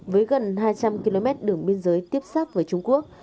với gần hai trăm linh km đường biên giới tiếp xác với trung quốc